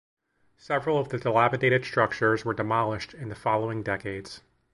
Several of the dilapidated structures were demolished in the following decades.